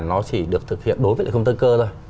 nó chỉ được thực hiện đối với công tân cơ thôi